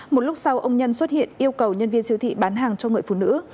một lúc sau ông nhân xuất hiện yêu cầu nhân viên siêu thị bán hàng cho người phụ nữ